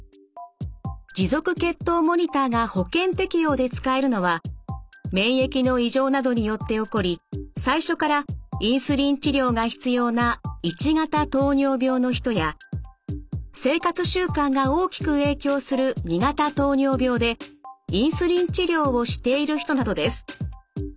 持続血糖モニターが保険適用で使えるのは免疫の異常などによって起こり最初からインスリン治療が必要な１型糖尿病の人や生活習慣が大きく影響する２型糖尿病でインスリン治療をしている人などです。